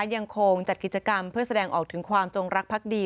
ยังคงจัดกิจกรรมเพื่อแสดงออกถึงความจงรักพักดี